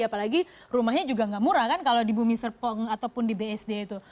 apalagi rumahnya juga gak murah kan kalau di bumi serpong ataupun di bsd itu